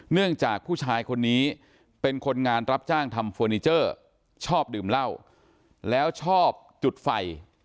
เนื่องจากผู้ชายคนนี้เป็นคนงานรับจ้างทำเฟอร์นิเจอร์ชอบดื่มเหล้าแล้วชอบจุดไฟ